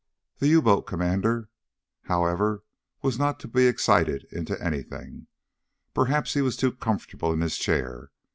The U boat commander, however, was not to be excited into anything. Perhaps he was too comfortable in his chair.